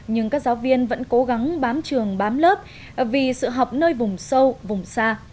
nhưng các giáo viên vẫn cố gắng bám trường bám lớp vì sự học nơi vùng sâu vùng xa